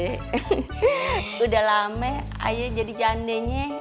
kebetulan don ayo juga jande